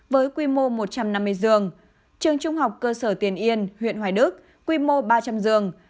với quy mô một trăm năm mươi giường trường trung học cơ sở tiền yên huyện hoài đức quy mô ba trăm linh giường